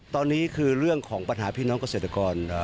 ตอนนี้คือเรื่องของปัญหาพี่น้องเกษตรกร